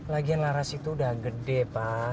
lagian laras itu udah gede pak